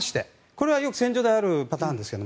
これはよく戦場であるパターンですが。